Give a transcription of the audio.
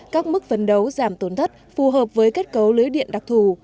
các mức phấn đấu giảm tổn thất phù hợp với kết cấu lưới điện đặc thù